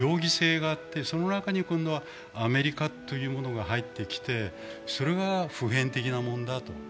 そういう両義性があって、その中に今度はアメリカというものが入ってきて、それが普遍的なものだと。